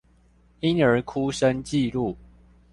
嬰兒哭聲記錄